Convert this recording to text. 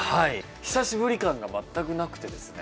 久しぶり感が全くなくてですね。